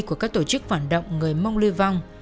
của các tổ chức phản động người mong lưu vong